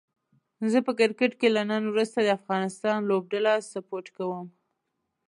زه په کرکټ کې له نن وروسته د افغانستان لوبډله سپوټ کووم